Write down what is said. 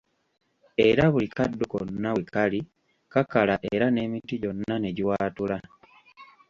Era buli kaddo konna wekali kakala era n'emiti gyonna negiwaatula.